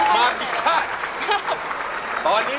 ไม่ใช้